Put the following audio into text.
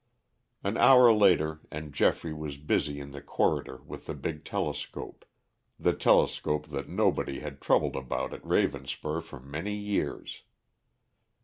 An hour later and Geoffrey was busy in the corridor with the big telescope, the telescope that nobody had troubled about at Ravenspur for many years.